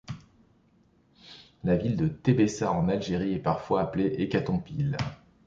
La ville de Tebessa en Algérie est parfois appelée Hécatompyles.